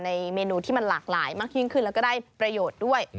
เมนูที่มันหลากหลายมากยิ่งขึ้นแล้วก็ได้ประโยชน์ด้วย